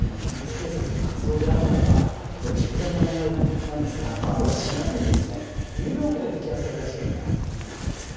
警察の活動であるならばこれは重大な問題なんですが、まずは４月にニューヨークで摘発された事件から見ていきます。